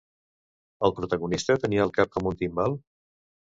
El protagonista tenia el cap com un timbal?